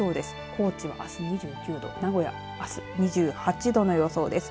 高知はあす２９度名古屋、あす２８度の予想です。